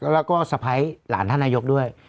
แล้วก็สะพ้ายหลานท่านนายกด้วย